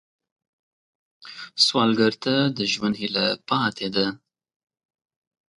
سوالګر ته د ژوند هیله پاتې ده